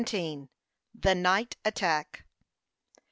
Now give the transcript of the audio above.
THE NIGHT ATTACK.